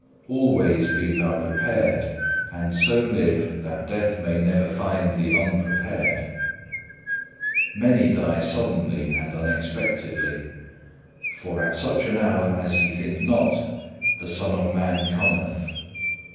Always be thou prepared, and so live that death may never find thee unprepared. Many die suddenly and unexpectedly. For at such an hour as ye think not, the Son of Man cometh.